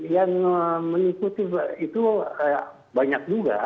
yang mengikuti itu banyak juga